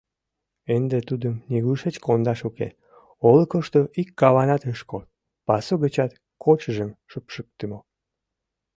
Ынде тудым нигушеч кондаш уке: олыкышто ик каванат ыш код, пасу гычат кодшыжым шупшыктымо.